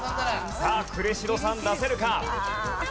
さあ呉城さん出せるか？